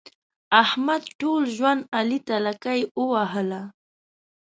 احمد ټول ژوند علي ته لکۍ ووهله.